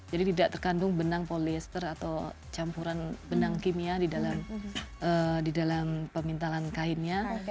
jadi tidak terkandung benang polyester atau campuran benang kimia di dalam pemintalan kainnya